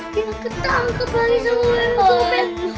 kita ketangkap lagi sama wm